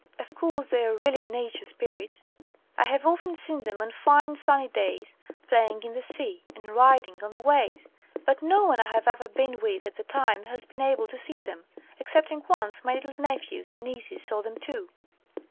Of course, they are really nature spirits. I have often seen them on fine sunny days playing in the sea, and riding on the waves, but no one I have ever been with at the time has been able to see them, excepting once my little nephews and nieces saw them too.